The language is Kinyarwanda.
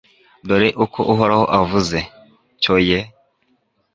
dore uko uhoraho avuze: cyo ye